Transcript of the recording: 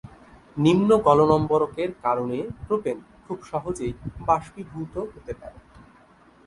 নিম্ন গলনম্বরকের কারণে প্রোপেন খুব সহজেই বাষ্পীভূত হতে পারে।